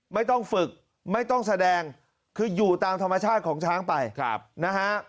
ไม่ต้องฝึกไม่ต้องแสดงคืออยู่ตามธรรมชาติของช้างไปนะฮะ